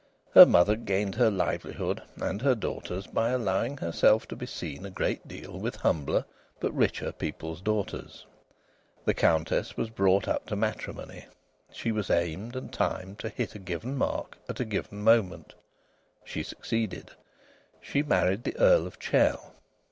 Her mother gained her livelihood and her daughter's by allowing herself to be seen a great deal with humbler but richer people's daughters. The Countess was brought up to matrimony. She was aimed and timed to hit a given mark at a given moment. She succeeded. She married the Earl of Chell.